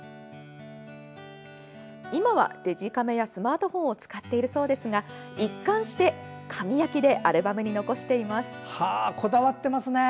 今はデジカメやスマートフォンを使っているそうですが一貫して、紙焼きでアルバムに残しています。